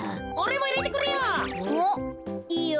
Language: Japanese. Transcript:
いいよ。